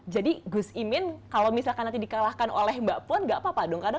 jadi gus imin kalau misalkan nanti dikalahkan oleh mbak puan nggak apa apa dong